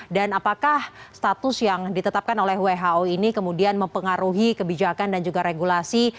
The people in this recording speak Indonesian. dan apakah status yang ditetapkan oleh who ini kemudian mempengaruhi kebijakan dan juga regulasi